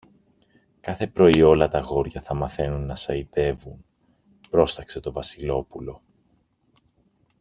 Κάθε πρωί όλα τ' αγόρια θα μαθαίνουν να σαϊτεύουν, πρόσταξε το Βασιλόπουλο.